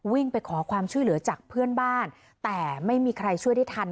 วิ่งไปขอความช่วยเหลือจากเพื่อนบ้านแต่ไม่มีใครช่วยได้ทัน